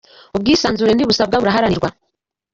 Ubwisanzure ntibusabwa buraharanirwa